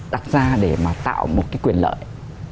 đặt ra để mà tạo một cái quyền lợi